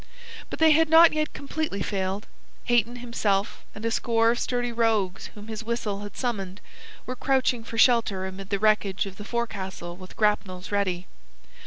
But they had not yet completely failed. Hayton himself, and a score of sturdy rogues whom his whistle had summoned, were crouching for shelter amid the wreckage of the forecastle with grapnels ready.